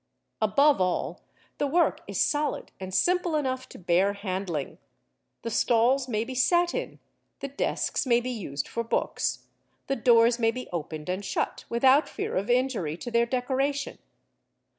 Above all, the work is solid and simple enough to bear handling; the stalls may be sat in, the desks may be used for books, the doors may be opened and shut, without fear of injury to their decoration.